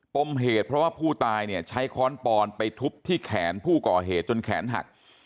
มเหตุเพราะว่าผู้ตายเนี่ยใช้ค้อนปอนไปทุบที่แขนผู้ก่อเหตุจนแขนหัก